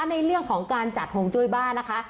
ในเรื่องของการจัดห่วงจุ้ยบ้านนะคะ